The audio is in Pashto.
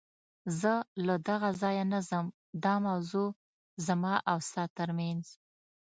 زه له دغه ځایه نه ځم، دا موضوع زما او ستا تر منځ.